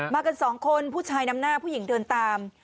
กันสองคนผู้ชายนำหน้าผู้หญิงเดินตาม